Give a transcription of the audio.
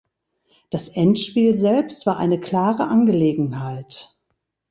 Das Endspiel selbst war eine klare Angelegenheit.